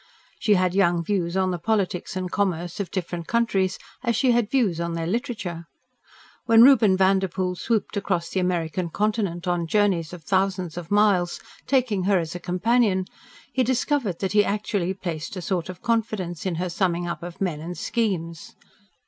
She had young views on the politics and commerce of different countries, as she had views on their literature. When Reuben Vanderpoel swooped across the American continent on journeys of thousands of miles, taking her as a companion, he discovered that he actually placed a sort of confidence in her summing up of men and schemes.